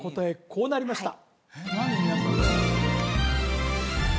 こうなりました